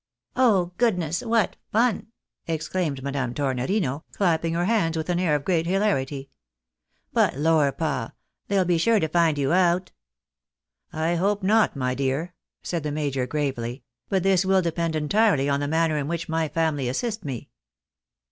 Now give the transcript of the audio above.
" Oh, goodness ! What fun !" exclaimed Madame Tornorino, clapping her hands with an air of great hilarity. " But lor, pa ! they'll be sure to find you out." " I hope not, my dear," said the major, gravely ;" but this will depend entirely on the manner in which my family assist me."